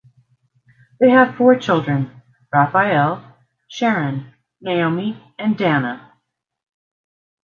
They have four children: Rafael, Sharon, Naomi and Danna.